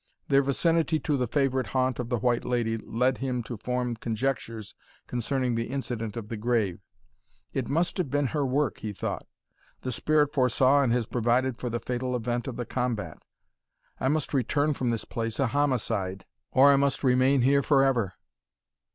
Their vicinity to the favourite haunt of the White Lady led him to form conjectures concerning the incident of the grave "It must have been her work!" he thought: "the Spirit foresaw and has provided for the fatal event of the combat I must return from this place a homicide, or I must remain here for ever!"